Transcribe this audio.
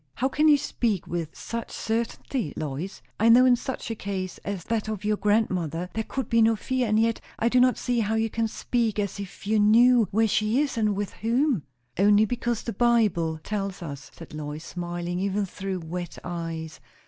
"How can you speak with such certain'ty, Lois? I know, in such a case as that of your grandmother, there could be no fear; and yet I do not see how you can speak as if you knew where she is, and with whom." "Only because the Bible tells us," said Lois, smiling even through wet eyes.